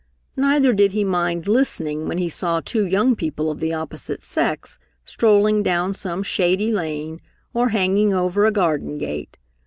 Neither did he mind listening when he saw two young people of the opposite sex strolling down some shady lane, or hanging over a garden gate.